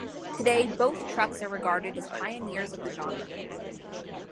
Today, both trucks are regarded as pioneers of the genre.